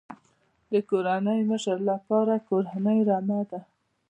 د کورنۍ مشر لپاره کورنۍ رمه ده.